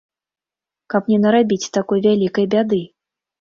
Каб не нарабіць такой вялікай бяды.